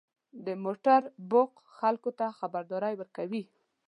• د موټر بوق خلکو ته خبرداری ورکوي.